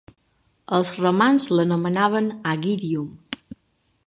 Els romans l'anomenaven Agirium.